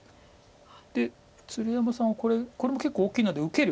で鶴山さんはこれも結構大きいので受ける。